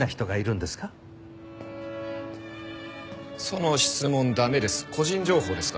その質問駄目です。